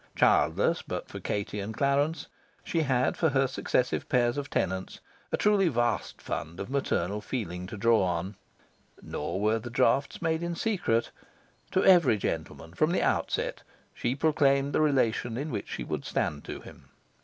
Childless but for Katie and Clarence, she had for her successive pairs of tenants a truly vast fund of maternal feeling to draw on. Nor were the drafts made in secret. To every gentleman, from the outset, she proclaimed the relation in which she would stand to him.